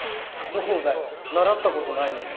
そうだよ習ったことないのに。